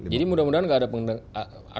jadi mudah mudahan nggak ada pengendalian